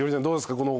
どうですか？